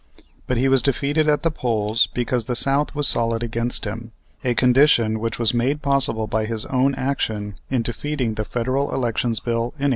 But he was defeated at the polls because the South was solid against him, a condition which was made possible by his own action in defeating the Federal Elections Bill in 1875.